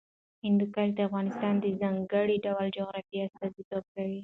هندوکش د افغانستان د ځانګړي ډول جغرافیه استازیتوب کوي.